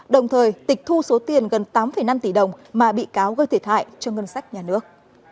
đồng thời tịch thu số tiền gần tám năm tỷ đồng mà bị cáo gây thiệt hại cho ngân sách nhà nước